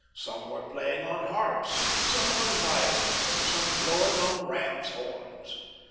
Some were playing on harps, some on viols, and some blowing on rams' horns.